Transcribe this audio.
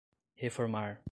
reformar